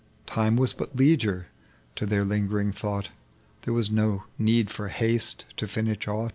Time was but leisure to their lingering thought. There was no' need for haste to finish ai^ht ;.